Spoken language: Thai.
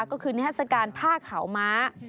ก็คือนาฬิการผ้าขาวม้า